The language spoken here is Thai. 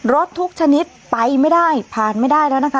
รถทุกชนิดไปไม่ได้ผ่านไม่ได้แล้วนะคะ